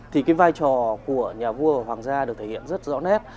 thì cái vai trò của nhà vua ở hoàng gia được thể hiện rất rõ nét